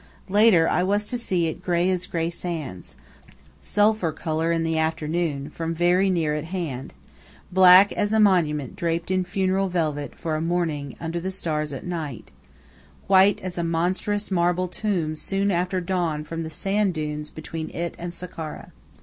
Later I was to see it grey as grey sands, sulphur color in the afternoon from very near at hand, black as a monument draped in funereal velvet for a mourning under the stars at night, white as a monstrous marble tomb soon after dawn from the sand dunes between it and Sakkara.